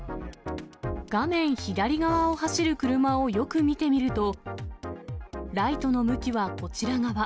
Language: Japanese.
画面左側を走る車をよく見てみると、ライトの向きはこちら側。